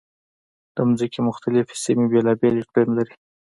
د ځمکې مختلفې سیمې بېلابېل اقلیم لري.